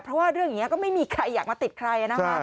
เพราะว่าเรื่องนี้ก็ไม่มีใครอยากมาติดใครนะคะ